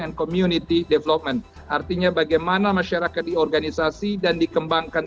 and community development artinya bagaimana masyarakat diorganisasi dan dikembangkan